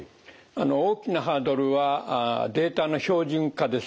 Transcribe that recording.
大きなハードルはデータの標準化です。